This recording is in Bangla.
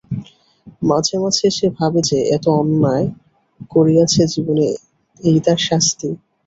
মাঝে মাঝে সে ভাবে যে, যত অন্যায় করিয়াছে জীবনে এই তার শাস্তি!